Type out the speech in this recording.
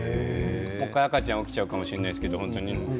赤ちゃん起きちゃうかもしれませんけど。